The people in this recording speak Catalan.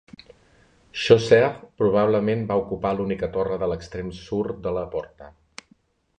Chaucer probablement va ocupar l'única torre de l'extrem sur de la porta.